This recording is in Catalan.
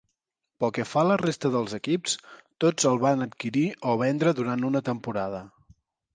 Pel que fa a la resta dels equips, tots el van adquirir o vendre durant una temporada.